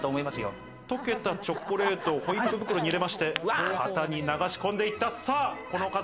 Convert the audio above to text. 溶けたチョコレートをホイップ袋に入れまして、型に流し込んでいった！